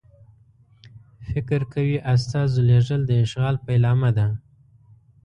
فکر کوي استازو لېږل د اشغال پیلامه ده.